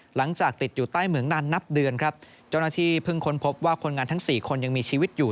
หลังจากติดอยู่ใต้เหมืองนานนับเดือนครับเจ้าหน้าที่เพิ่งค้นพบว่าคนงานทั้งสี่คนยังมีชีวิตอยู่